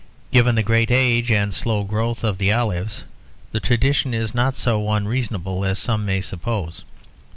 Given the great age and slow growth of the olives, the tradition is not so unreasonable as some may suppose.